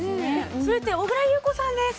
それって小倉優子さんです！